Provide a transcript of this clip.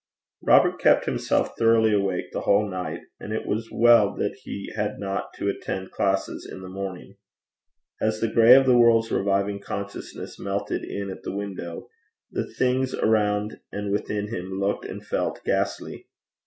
Robert kept himself thoroughly awake the whole night, and it was well that he had not to attend classes in the morning. As the gray of the world's reviving consciousness melted in at the window, the things around and within him looked and felt ghastly.